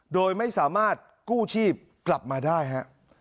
โดยไม่สามารถกู้ชีพกลับมาได้ฮะ